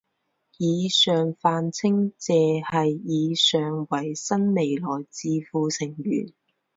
以上泛称谢系以上为新未来智库成员。